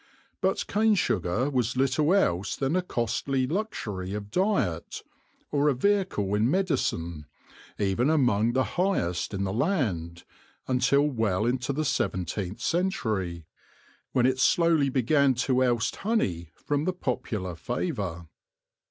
But cane sugar was little else than a costly luxury of diet, or a vehicle in medicine, even among the highest in the land, until well into the seventeenth century, when it slowly began to oust honey from the popular favour.